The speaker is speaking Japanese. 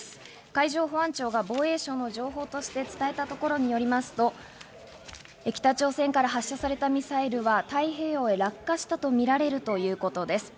海上保安庁が防衛省の情報として伝えたところによりますと、北朝鮮から発射されたミサイルは太平洋へ落下したとみられるということです。